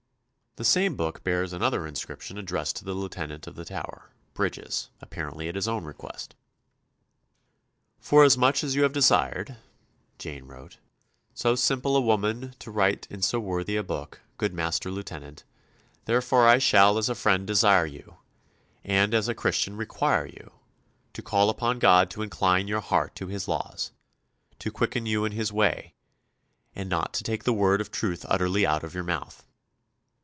The same book bears another inscription addressed to the Lieutenant of the Tower, Bridges, apparently at his own request. "Forasmuch as you have desired," Jane wrote, "so simple a woman to write in so worthy a book, good Master Lieutenant, therefore I shall as a friend desire you, and as a Christian require you, to call upon God to incline your heart to His laws, to quicken you in His way, and not to take the word of truth utterly out of your mouth.